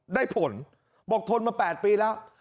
ได้ผลบอกทนมา๘ปีแล้ว